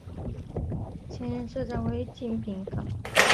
现任社长为金炳镐。